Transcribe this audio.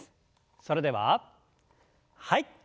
それでははい。